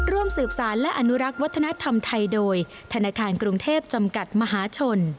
ร่วมสืบสารและอนุรักษ์วัฒนธรรมไทยโดยธนาคารกรุงเทพจำกัดมหาชน